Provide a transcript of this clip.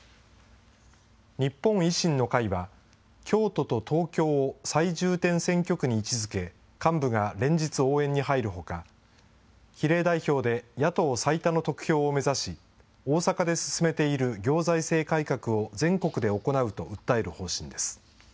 日本維新の会は、京都と東京を最重点選挙区に位置づけ、幹部が連日応援に入るほか、比例代表で野党最多の得票を目指し、大阪で進めている行財政改革を全国で行うと訴える方針です。